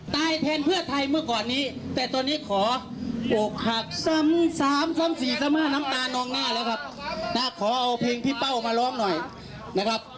แต่โอเคเอาเพลงรี้เป้ามาร้องหน่อยนะครับ